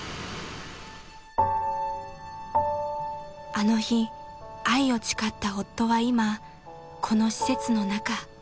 ［あの日愛を誓った夫は今この施設の中］